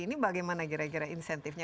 ini bagaimana kira kira insentifnya